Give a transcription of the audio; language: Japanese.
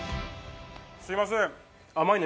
すみません。